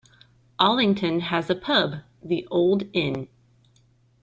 Allington has a pub, the Old Inn.